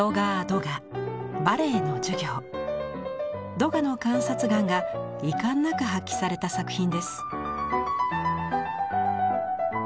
ドガの観察眼がいかんなく発揮された作品です。